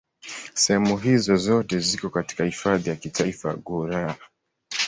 Sehemu hizo zote ziko katika Hifadhi ya Kitaifa ya Gouraya.